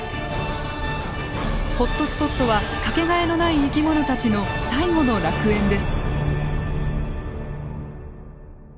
ホットスポットは掛けがえのない生き物たちの最後の楽園です。